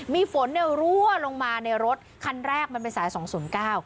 มีฝนเนี่ยรั่วลงมาในรถคันแรกมันเป็นสายสองศูนย์เก้า